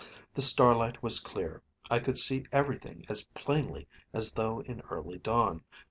The starlight was clear. I could see everything as plainly as though in early dawn.